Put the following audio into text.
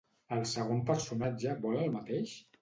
El segon personatge vol el mateix?